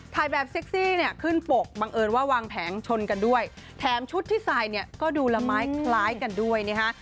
ถ่ายแบบเซ็กซี่เนี่ยขึ้นปกบังเอิญว่าวางแผงชนกันด้วยแถมชุดที่ใส่เนี่ยก็ดูละไม้คล้ายกันด้วยนะฮะ